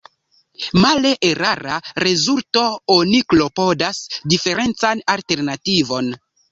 Male —erara rezulto— oni klopodas diferencan alternativon.